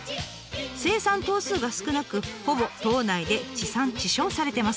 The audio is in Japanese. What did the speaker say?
生産頭数が少なくほぼ島内で地産地消されてます。